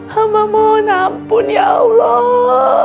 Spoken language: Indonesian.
hamba mohon ampun ya allah